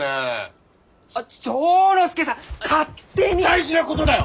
大事なことだよ！